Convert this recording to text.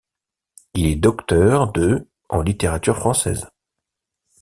Il est docteur de en littérature française.